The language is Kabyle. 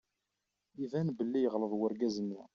Iban belli yeɣleḍ urgaz-nni.